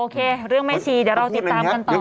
ขอน้ำกินหน่อยสิ